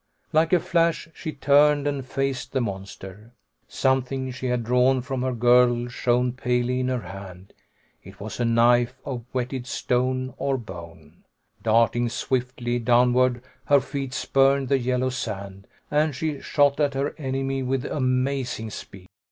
Like a flash she turned and faced the monster. Something she had drawn from her girdle shone palely in her hand. It was a knife of whetted stone or bone. Darting swiftly downward her feet spurned the yellow sand, and she shot at her enemy with amazing speed.